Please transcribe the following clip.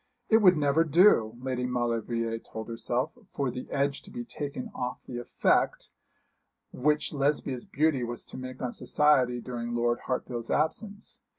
It would never do, Lady Maulevrier told herself, for the edge to be taken off the effect which Lesbia's beauty was to make on society during Lord Hartfield's absence.